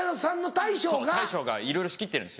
大将がいろいろ仕切ってるんです。